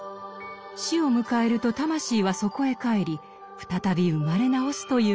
死を迎えると魂はそこへ帰り再び生まれ直すというのです。